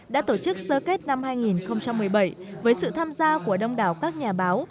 đã tổ chức sơ kết năm hai nghìn một mươi bảy với sự tham gia của đông đảo các nhà báo